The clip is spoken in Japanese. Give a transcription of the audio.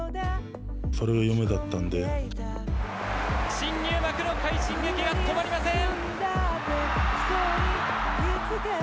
新入幕の快進撃が止まりません。